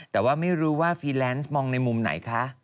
แต่ว่าไม่รู้ว่าฟีแลนซ์มองในมุมไหนคะ